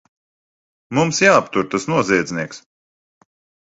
Mums jāaptur tas noziedznieks!